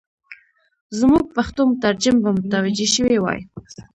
زموږ پښتو مترجم به متوجه شوی وای.